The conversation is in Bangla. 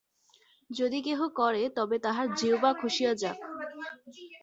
যদি কেহ করে, তবে তাহার জিহ্বা খসিয়া যাক।